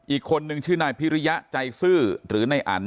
อีกคนหนึ่งชื่อนายพิริญญาใจสือหรือในอัน